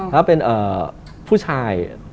แล้วเป็นผู้ชาย